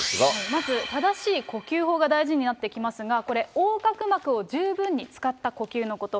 まず正しい呼吸法が大事になってきますが、横隔膜を十分に使った呼吸のこと。